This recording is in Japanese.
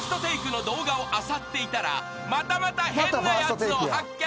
［ＦＩＲＳＴＴＡＫＥの動画をあさっていたらまたまた変なやつを発見］